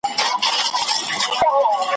بد نومونه تر قیامته پاته کیږي ,